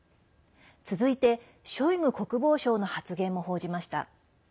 続いて、ショイグ国防相の発言も報じました。